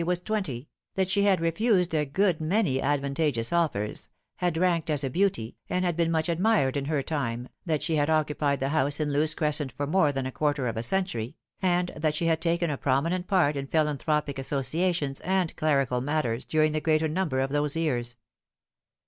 was twenty, that she had refused a good many advantageous offers, had ranked as a beanty, and had been much admired in her time, that she had occupied the house in Lewes Crescent for more than a quarter of a century, and that she had taken a prominent part in philanthropic associations and clerical matters during the greater number of those years.